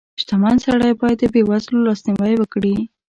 • شتمن سړی باید د بېوزلو لاسنیوی وکړي.